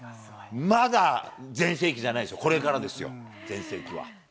まだ全盛期じゃないですよ、これからですよ、全盛期は。